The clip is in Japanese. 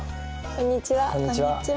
こんにちは。